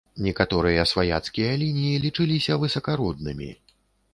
Некаторыя сваяцкія лініі лічыліся высакароднымі.